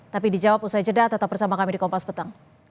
tapi dijawab usai jeda tetap bersama kami di kompas petang